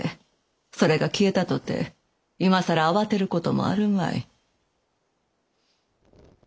それが消えたとて今更慌てることもあるまい。